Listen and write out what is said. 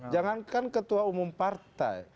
jangankan ketua umum partai